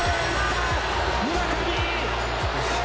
村上。